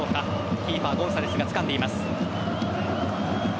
キーパー・ゴンサレスがつかんでいます。